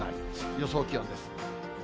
予想気温です。